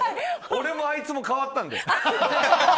俺もあいつも変わったので。